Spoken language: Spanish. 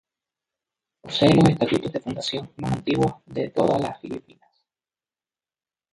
Posee los estatutos de fundación más antiguos de toda las Filipinas.